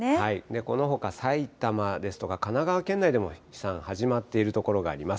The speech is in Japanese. このほか、埼玉ですとか、神奈川県内でも飛散始まっている所があります。